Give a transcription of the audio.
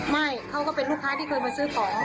ไม่เขาก็เป็นลูกค้าที่เคยมาซื้อของ